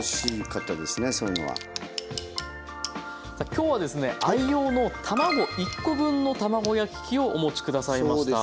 今日はですね愛用の卵１コ分の卵焼き器をお持ち下さいました。